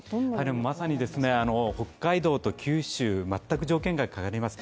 まさに北海道と九州、全く条件が変わります。